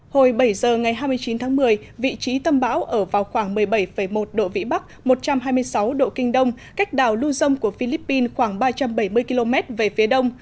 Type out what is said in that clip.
hồi bảy giờ ngày hai mươi chín tháng một mươi vị trí tâm bão ở vào khoảng một mươi bảy một độ vĩ bắc một trăm hai mươi sáu độ kinh đông cách đảo lưu dông của philippines khoảng ba trăm bảy mươi km về phía đông